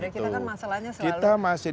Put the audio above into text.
kita kan masalahnya selalu buang sampah